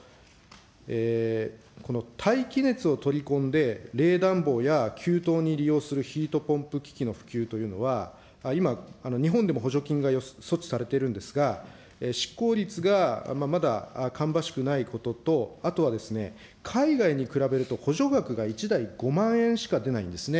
この大気熱を取り込んで、冷暖房や給湯に利用するヒートポンプ機器の普及というのは、今、日本でも補助金が措置されているんですが、しっこう率がまだ芳しくないことと、あとは海外に比べると補助額が１台５万円しか出ないんですね。